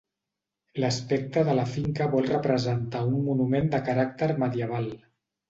L'aspecte de la finca vol representar un monument de caràcter medieval.